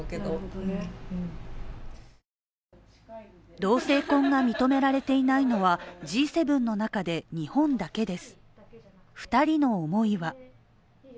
同性婚が認められていないのは、Ｇ７の中で日本だけです。